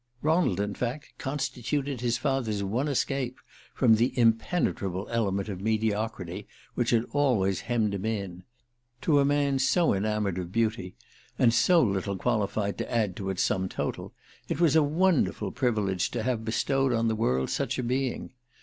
Ronald in fact constituted his father's one escape from the impenetrable element of mediocrity which had always hemmed him in. To a man so enamoured of beauty, and so little qualified to add to its sum total, it was a wonderful privilege to have bestowed on the world such a being.